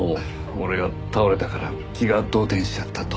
俺が倒れたから気が動転しちゃったと。